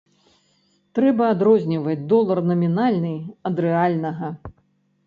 Трэба адрозніваць долар намінальны ад рэальнага.